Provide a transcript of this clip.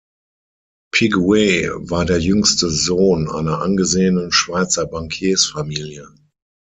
Piguet war der jüngste Sohn einer angesehenen Schweizer Bankiersfamilie.